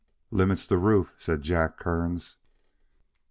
"Limit's the roof," said Jack Kearns.